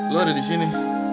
lu ada di sini